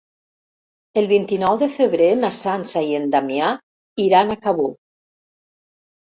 El vint-i-nou de febrer na Sança i en Damià iran a Cabó.